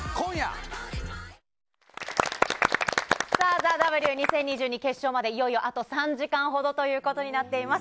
ＴＨＥＷ２０２２決勝までいよいよあと３時間ほどということになっています。